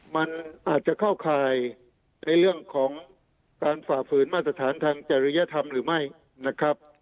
มันอาจจะเข้าข่ายในเรื่องของการฝ่าฝืนมาตรฐานทางจริยธรรมหรือไม่นะครับ